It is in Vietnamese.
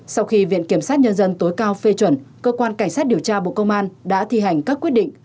sau khi viện kiểm sát nhân dân tối cao phê chuẩn cơ quan cảnh sát điều tra bộ công an đã thi hành các quyết định